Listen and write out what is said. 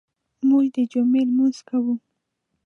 موږ د جمعې لمونځ کوو.